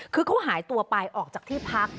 คือเขาหายตัวไปออกจากที่พัก